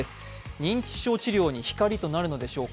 認知症治療に光となるのでしょうか。